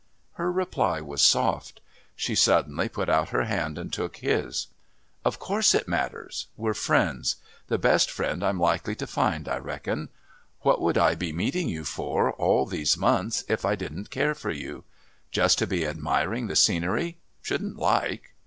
Her reply was soft. She suddenly put out her hand and took his. "Of course it matters. We're friends. The best friend I'm likely to find, I reckon. What would I be meeting you for all these months if I didn't care for you? Just to be admiring the scenery? shouldn't like."